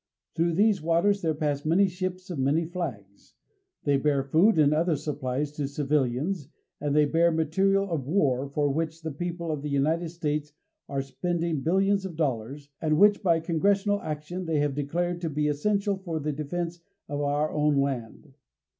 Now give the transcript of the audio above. Through these waters there pass many ships of many flags. They bear food and other supplies to civilians; and they bear material of war, for which the people of the United States are spending billions of dollars, and which, by Congressional action, they have declared to be essential for the defense of our own land.